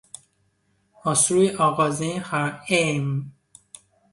اصول آغازین هر علم